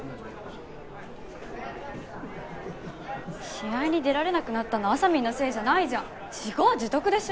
試合に出られなくなったのあさみんのせいじゃないじゃん自業自得でしょ